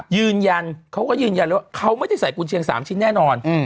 ยืนยันเขาก็ยืนยันเลยว่าเขาไม่ได้ใส่กุญเชียง๓ชิ้นแน่นอน